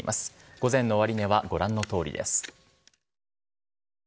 午前の終値はご覧のとおりです。